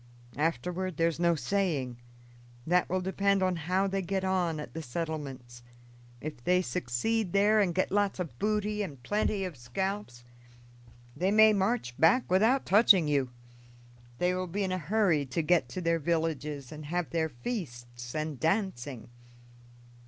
Afterward there's no saying that will depend on how they get on at the settlements. If they succeed there and get lots of booty and plenty of scalps, they may march back without touching you; they will be in a hurry to get to their villages and have their feasts and dancing.